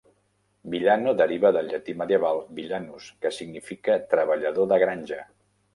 "Villano" deriva del llatí medieval "villanus", que significa "treballador de granja".